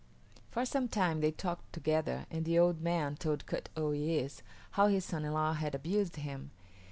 For some time they talked together and the old man told Kut o yis´ how his son in law had abused him.